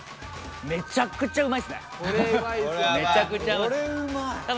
めちゃくちゃうまいっすね。